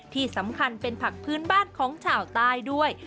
ที่สำคัญเป็นผักพื้นบ้านของชาวใต้ด้วย